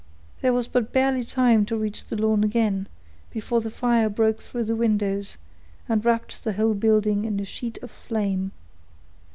There was but barely time to reach the lawn again, before the fire broke through the windows, and wrapped the whole building in a sheet of flame.